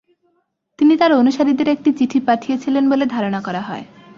তিনি তাঁর অনুসারীদের একটি চিঠি পাঠিয়েছিলেন বলে ধারণা করা হয়।